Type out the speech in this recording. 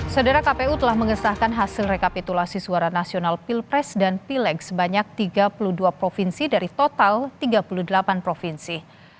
saudara kpu telah mengesahkan hasil rekapitulasi suara nasional pilpres dan pileg sebanyak tiga puluh dua provinsi dari total tiga puluh delapan provinsi